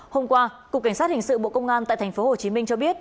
hôm qua cục cảnh sát hình sự bộ công an tại tp hcm cho biết